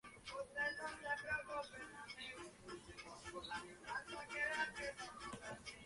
Son la Orden terciaria del Carmelo de la Antigua Observancia.